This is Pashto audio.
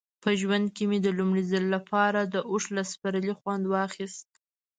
په ژوند کې مې د لومړي ځل لپاره د اوښ له سپرلۍ خوند واخیست.